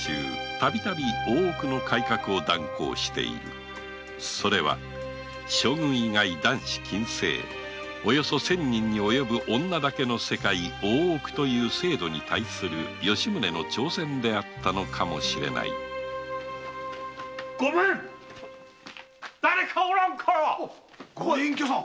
たびたび大奥の改革を断行しているそれは将軍以外男子禁制のおよそ千人に及ぶ女だけの世界大奥という制度に対する吉宗の挑戦であったのかもしれないだれかおらんかご隠居さん